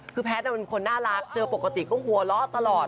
คือแพทย์เป็นคนน่ารักเจอปกติก็หัวเราะตลอด